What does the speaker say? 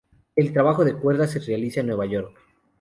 El trabajo de cuerdas se realiza en Nueva York.